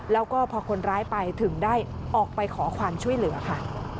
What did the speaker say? แล้วก็พอคนร้ายไปถึงได้ออกไปขอความช่วยเหลือค่ะ